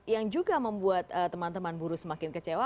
yang juga membuat teman teman buruh semakin kecewa